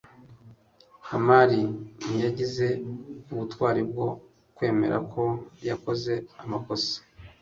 kamali ntiyagize ubutwari bwo kwemera ko yakoze amakosa